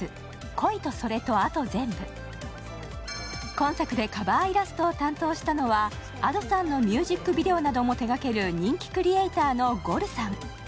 今作でカバーイラストを担当したのはＡｄｏさんのミュージックビデオなども手がける、人気クリエーターのゴルさん。